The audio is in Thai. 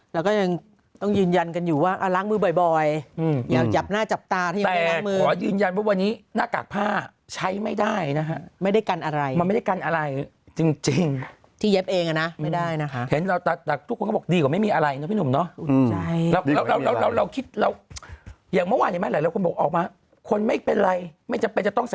เราก็ยังต้องยืนยันกันอยู่ว่าล้างมือบ่อยอย่าจับหน้าจับตาแต่ขอยืนยันว่าวันนี้หน้ากากผ้าใช้ไม่ได้นะฮะไม่ได้กันอะไรมันไม่ได้กันอะไรจริงที่เย็บเองนะไม่ได้นะฮะเห็นแล้วแต่ทุกคนก็บอกดีกว่าไม่มีอะไรนะพี่หนุ่มเนาะ